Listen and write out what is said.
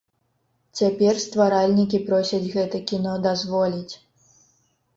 Цяпер стваральнікі просяць гэта кіно дазволіць.